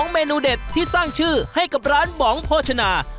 เมนูเด็ดที่สร้างชื่อให้กับร้านบ๋องโภชนา